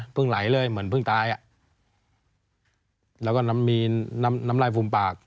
เพิ่งไหลเลยเหมือนเพิ่งตายอ่ะแล้วก็มีน้ำลายฟูมปาก